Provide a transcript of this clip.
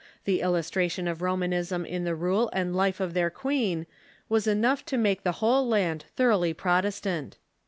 The illustration of Romanism in the rule and life of their queen was enough to make the whole land thoroughly Protestant.